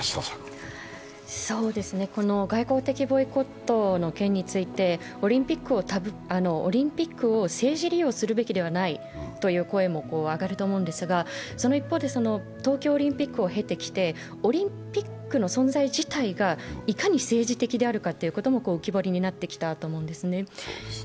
外交的ボイコットの件について、オリンピックを政治利用するべきではないという声も上がると思うんですが、その一方で東京オリンピックを経てきて、オリンピックの存在辞退がいかに政治的であるかということも浮き彫りになってきたと思うんですね。